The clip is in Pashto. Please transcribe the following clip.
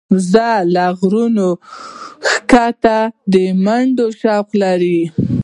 وزې له غرونو ښکته د منډې شوق لري